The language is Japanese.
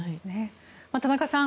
田中さん